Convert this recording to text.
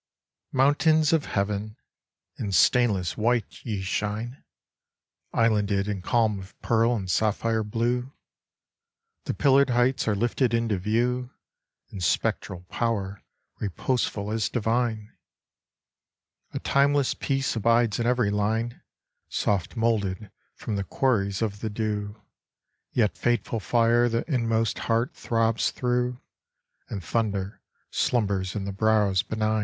Mountains of heaven, in stainless white ye shine, Islanded in calm of pearl and sapphire blue! The pillared heights are lifted into view In spectral power reposeful as divine. A timeless peace abides in every line Soft moulded from the quarries of the dew, Yet fateful fire the inmost heart throbs through, And thunder slumbers in the brows benign.